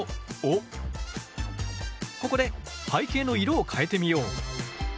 ここで背景の色を変えてみよう！